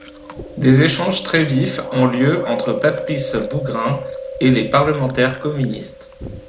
Des échanges très vifs ont lieu entre Patrice Bougrain et les parlementaires communistes.